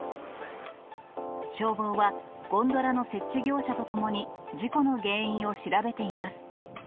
消防はゴンドラの設置業者と共に、事故の原因を調べています。